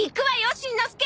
しんのすけ！